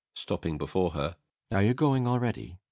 [Stopping before her.] Are you going already?